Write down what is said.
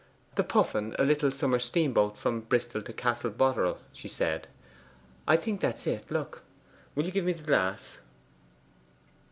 'The Puffin, a little summer steamboat from Bristol to Castle Boterel,' she said. 'I think that is it look. Will you give me the glass?